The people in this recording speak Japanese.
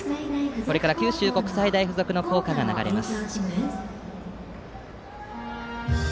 これから九州国際大付属の校歌が流れます。